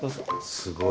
すごい。